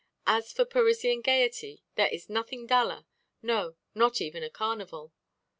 As for Parisian gaiety, there is nothing duller no, not even a carnival.